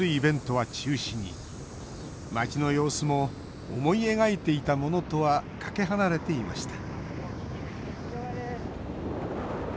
街の様子も思い描いていたものとはかけ離れていました。